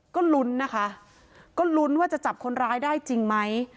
ก็ลุ้นนะคะก็ลุ้นว่าจะจับคนร้ายได้จริงไหม